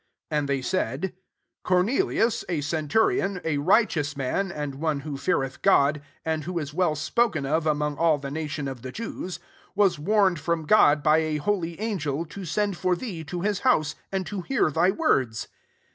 22 And they said, " Cornelius a centurion, a righteous man, and one who feareth God, and who' is well spoken of among all the nation of the Jews, was warned from God by a holy an gel, to send for thee to his house, and to hear thy words."